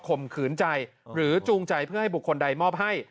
มขืนใจหรือจูงใจเพื่อให้บุคคลใดมอบให้